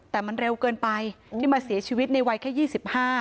แต่มันเร็วเกินไปที่มาเสียชีวิตในวัยแค่ยี่สิบห้า